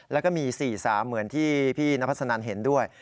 แล้วก็มี๔๓เหมือนที่พี่นพัสนันเห็นด้วย